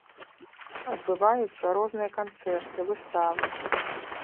Адбываюцца розныя канцэрты, выставы.